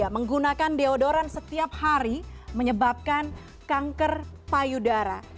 menggunakan deodoran setiap hari menyebabkan kanker payudara